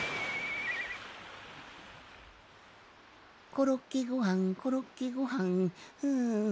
「コロッケごはんコロッケごはん」んん。